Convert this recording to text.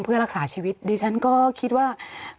เพื่อรักษาชีวิตดิฉันก็คิดว่า